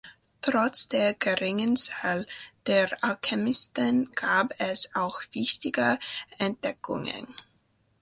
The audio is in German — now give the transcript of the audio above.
Trotz der geringen Zahl der Alchemisten gab es auch wichtige Entdeckungen.